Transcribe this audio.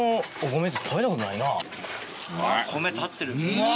米立ってる。